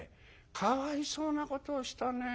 かわいそうなことをしたね。